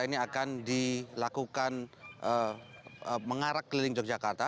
ini akan dilakukan mengarah keliling yogyakarta